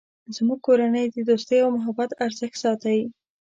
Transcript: زموږ کورنۍ د دوستۍ او محبت ارزښت ساتی